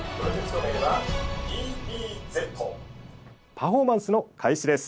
パフォーマンスの開始です。